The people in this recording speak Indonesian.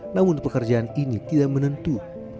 namun pekerjaan ini tidak menentu